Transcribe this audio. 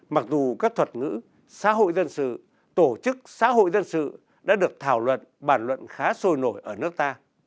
mặc dù các thuật ngữ xã hội dân sự tổ chức xã hội dân sự đã được thảo luận bàn luận khá sôi nổi ở nước ta